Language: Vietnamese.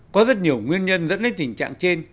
có rất nhiều nguyên nhân dẫn đến tình trạng trên